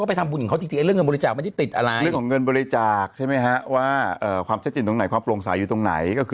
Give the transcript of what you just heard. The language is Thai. พอเจอหุดกระแสอีกหน่อยที่จะทำรายการเกาะกระแส